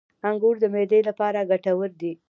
• انګور د معدې لپاره ګټور دي.